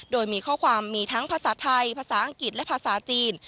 โดยมีข้อความมีทั้งภาษาไทยภาษาอังกฤษและภาษาจีน